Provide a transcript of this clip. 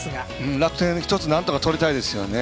楽天、１つなんとか取りたいですよね。